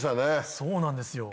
そうなんですよ。